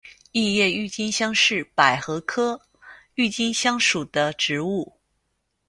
异叶郁金香是百合科郁金香属的植物。